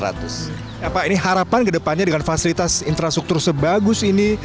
apa ini harapan kedepannya dengan fasilitas infrastruktur sebagus ini